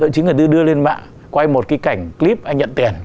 chính là đưa lên mạng quay một cái cảnh clip anh nhận tiền